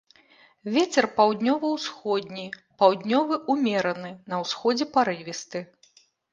Вецер паўднёва-ўсходні, паўднёвы ўмераны, па ўсходзе парывісты.